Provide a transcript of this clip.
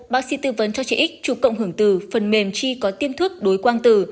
bác sĩ tư vấn cho chị x chụp cộng hưởng từ phần mềm chi có tiêm thuốc đối quang từ